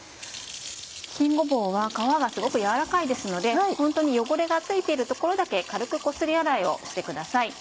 新ごぼうは皮がすごく柔らかいですのでホントに汚れが付いているところだけ軽くこすり洗いをしてください。